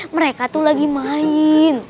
mereka tuh lagi main